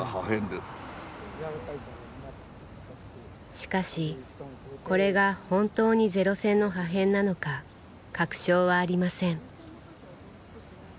しかしこれが本当にゼロ戦の破片なのか確証はありません。